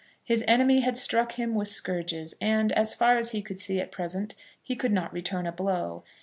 His enemy had struck him with scourges, and, as far as he could see at present, he could not return a blow.